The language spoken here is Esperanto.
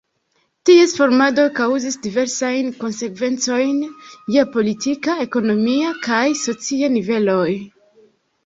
Ties formado kaŭzis diversajn konsekvencojn je politika, ekonomia kaj socia niveloj.